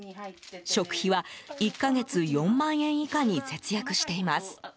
食費は、１か月４万円以下に節約しています。